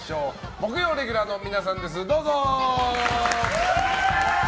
木曜レギュラーの皆さんです！